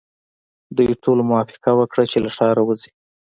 دوی ټولو موافقه وکړه چې له ښاره وځي.